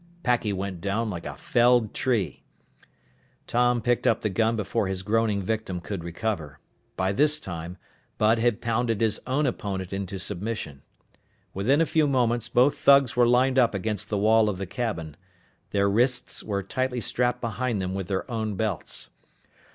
Packy went down like a felled tree! Tom picked up the gun before his groaning victim could recover. By this time, Bud had pounded his own opponent into submission. Within a few moments, both thugs were lined up against the wall of the cabin. Their wrists were tightly strapped behind them with their own belts.